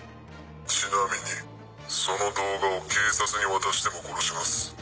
ちなみにその動画を警察に渡しても殺します。